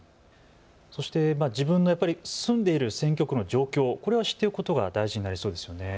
そして自分の住んでいる選挙区の状況、これを知っておくことが大事になりそうですね。